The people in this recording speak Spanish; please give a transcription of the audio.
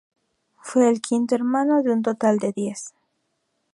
Fue el quinto hermano de un total de diez.